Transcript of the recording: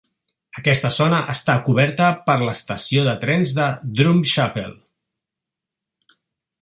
Aquesta zona està coberta per l"estació de trens de Drumchapel.